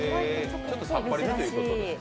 ちょっとさっぱりめということですか？